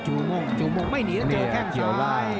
จูม่งไม่หนีแต่เจอแข้งซ้าย